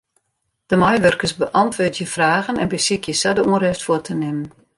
De meiwurkers beäntwurdzje fragen en besykje sa de ûnrêst fuort te nimmen.